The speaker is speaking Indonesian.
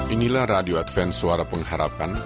inilah radio advance suara pengharapan